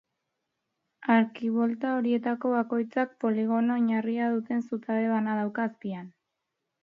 Arkibolta horietako bakoitzak poligono-oinarria duen zutabe bana dauka azpian.